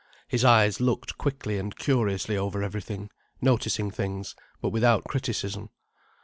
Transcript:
His eyes looked quickly and curiously over everything, noticing things, but without criticism.